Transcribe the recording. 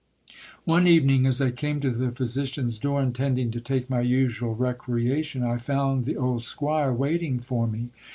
One evening, as I came to the physician's door, intending to take my usual recreation, I found the old squire waiting for me.